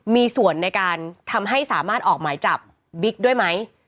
มีส่วนในการทำให้สามารถออกหมายจับบิ๊กด้วยไหม